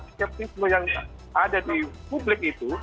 skeptisme yang ada di publik itu